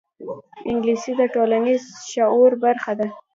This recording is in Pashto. انګلیسي د ټولنیز شعور برخه ده